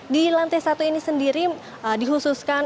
di lantai satu ini sendiri dihususkan